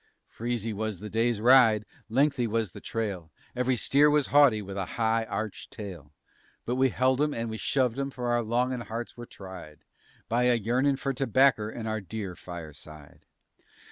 "_ Freezy was the day's ride, lengthy was the trail, Ev'ry steer was haughty with a high arched tail, But we held 'em and we shoved 'em, for our longin' hearts were tried By a yearnin' for tobacker and our dear fireside.